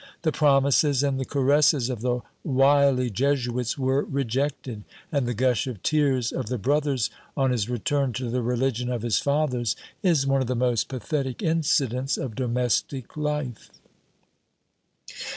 The promises and the caresses of the wily Jesuits were rejected; and the gush of tears of the brothers, on his return to the religion of his fathers, is one of the most pathetic incidents of domestic life.